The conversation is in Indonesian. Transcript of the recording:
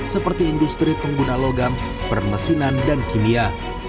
seperti industri pengguna logam permesinan dan kimia